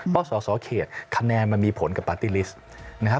เพราะส่อเขตคะแนนมันมีผลกับปาร์ตี้ลิสต์